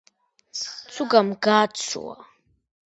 მდებარეობს ქვეყნის სამხრეთ-ცენტრალურ ნაწილში, მეხიკოდან აღმოსავლეთით.